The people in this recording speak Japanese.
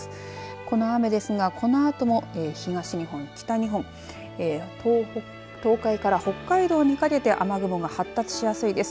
この雨ですが、このあとも東日本、北日本東海から北海道にかけて雨雲が発達しやすいです。